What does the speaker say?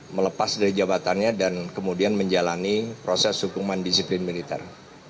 melepas dari jabatannya dan kemudian menjalani proses hukuman disiplin militer